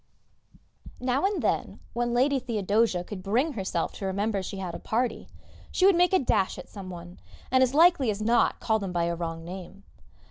Now and then, when Lady Theodosia could bring herself to remember she had a party, she would make a dash at some one, and as likely as not call them by a wrong name.